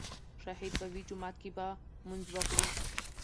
شاهد ووې جومات کښې به مونځ وکړو